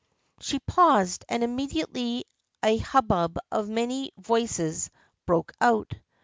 She paused, and immediately a hubbub of many voices broke out.